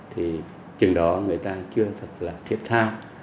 thì chừng đó người ta chưa thật là thiết tha